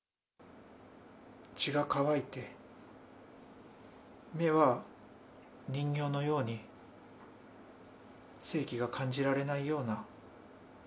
口が渇いて、目は人形のように、生気が感じられないような。